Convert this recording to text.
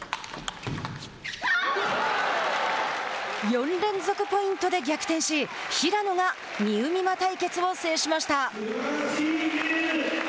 ４連続ポイントで逆転し平野がみうみま対決を制しました。